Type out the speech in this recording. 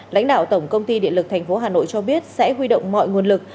lãnh đạo tổng công ty điện lực thành phố hà nội cho biết sẽ huy động mọi nguồn lực